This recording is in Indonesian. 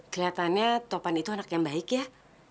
kelihatannya topan itu anak yang baik ya